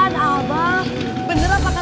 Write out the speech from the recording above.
tidak ada masalah